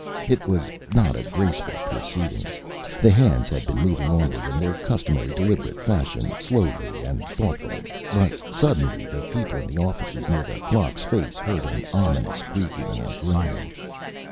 It was not a graceful proceeding. The hands had been moving onward in their customary deliberate fashion, slowly and thoughtfully, but suddenly the people in the offices near the clock's face heard an ominous creaking and groaning.